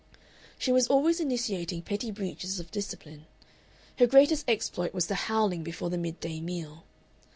She was always initiating petty breaches of discipline. Her greatest exploit was the howling before the mid day meal.